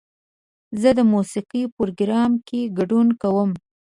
زه د موسیقۍ پروګرام کې ګډون کوم.